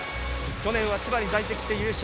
去年は千葉に在籍して優勝。